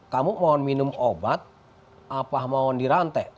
kamu mau minum obat apa mau dirantai